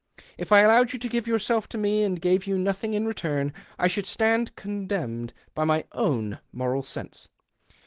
If I illowed you to give yourself to me and gave >^ou nothing in return, I should stand con lemned l)y my own moral sense.